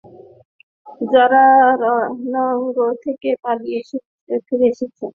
যারা রণাঙ্গন থেকে পালিয়ে ফিরে আসে তাদের বেশির ভাগই জানে না আসল ঘটনা কি?